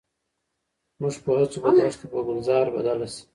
زموږ په هڅو به دښته په ګلزار بدله شي.